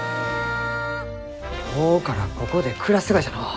今日からここで暮らすがじゃのう。